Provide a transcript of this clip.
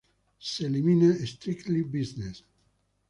Se elimina "Strictly Business".